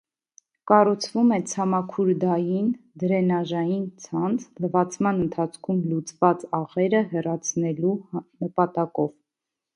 Կառուցվում է ցամաքուրդային (դրենաժային) ցանց՝ լվացման ընթացքում լուծված աղերը հեռացնելու նպատակով։